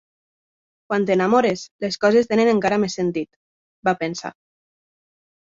Quan t'enamores, les coses tenen encara més sentit, va pensar.